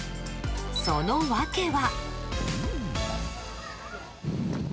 その訳は。